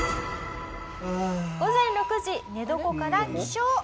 午前６時寝床から起床。